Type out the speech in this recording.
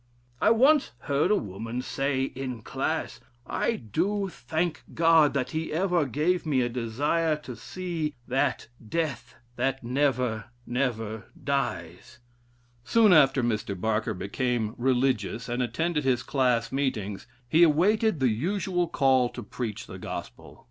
I once heard a woman say in class, 'I do thank God that he ever gave me a desire to see that death that never, never dies.'" Soon after Mr. Barker became "religious" and attended his class meetings, he awaited the usual "call" to preach the gospel.